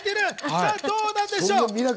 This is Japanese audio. さぁ、どうなんでしょう？